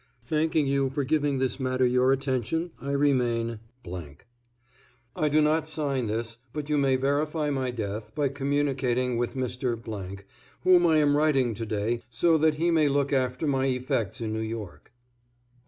Thanking you for giving this matter your attention, I remain, I do not sign this, but you may verify my death by communicating with Mr. , whom I am writing to day, so that he may look after my effects in New York.